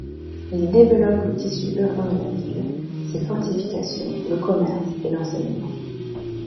Il développe le tissu urbain de la ville, ses fortifications, le commerce et l'enseignement.